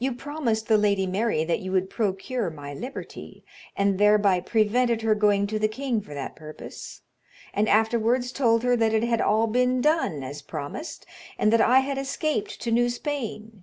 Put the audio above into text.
You promised the Lady Mary that you would procure my liberty, and thereby prevented her going to the king for that purpose, and afterwards told her that it had all been done, as promised, and that I had escaped to New Spain.